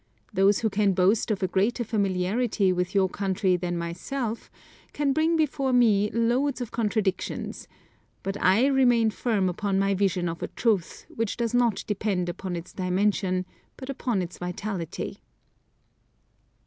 Those who can boast of a greater familiarity with your country than myself, can bring before me loads of contradictions, but I remain firm upon my vision of a truth, which does not depend upon its dimension, but upon its vitality.